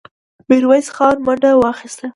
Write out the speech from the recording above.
ميرويس خان منډه واخيسته.